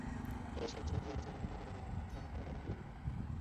第十九届中共中央委员。